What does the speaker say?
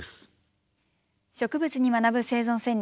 「植物に学ぶ生存戦略」。